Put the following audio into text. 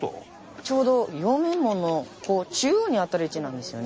ちょうど陽明門の中央に当たる位置なんですよね。